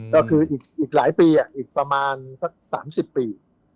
ก็คืออีกหลายปีอีกประมาณสัก๓๐ปี